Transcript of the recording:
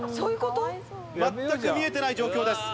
全く見えてない状況です。